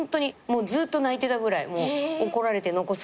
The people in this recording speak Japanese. もうずっと泣いてたぐらい怒られて残されて。